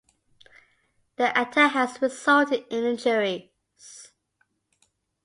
The attack has resulted in injuries.